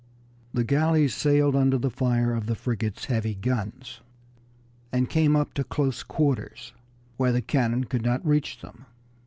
The galleys sailed under the fire of the frigate's heavy guns, and came up to close quarters, where the cannon could not reach them.